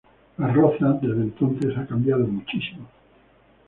Las Rozas, desde entonces ha cambiado muchísimo.